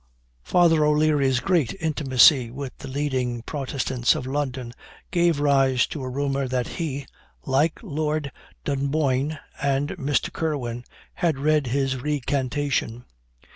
Father O'Leary's great intimacy with the leading Protestants of London, gave rise to a rumor that he, like Lord Dunboyne and Mr. Kirwin, had read his recantation.